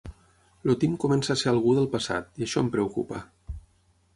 El Tim comença a ser algú del passat, i això em preocupa.